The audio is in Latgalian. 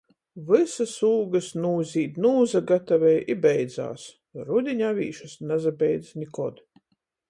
Vysys ūgys nūzīd, nūsagatavej i beidzās. Rudiņa avīšys nasabeidz nikod.